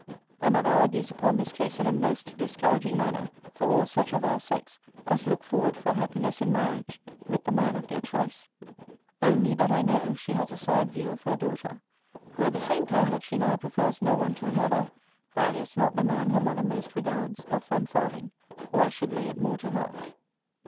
My mother argues upon this case in a most discouraging manner for all such of our sex as look forward for happiness in marriage with the man of their choice. Only, that I know, she has a side view of her daughter; who, at the same time that she now prefers no one to another, values not the man her mother most regards, of one farthing; or I should lay it more to heart.